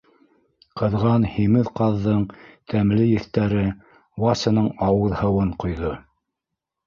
Ҡыҙған һимеҙ ҡаҙҙың тәмле еҫтәре Васяның ауыҙ һыуын ҡойҙо.